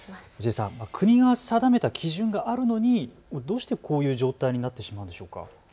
国が定めた基準があるのにどうしてこういう状態になってしまうんでしょうか。